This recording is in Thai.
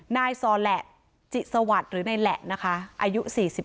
นายซอแหละจิสวัสดิ์หรือในแหละนะคะอายุ๔๒